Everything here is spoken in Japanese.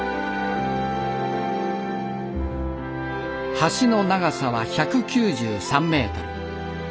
橋の長さは１９３メートル。